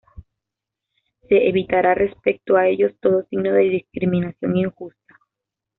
Se evitará, respecto a ellos, todo signo de discriminación injusta.